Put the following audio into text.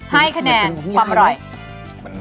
ให้คะแนนความอร่อย